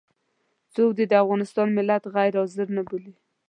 څوک دې د افغانستان ملت غير حاضر نه بولي.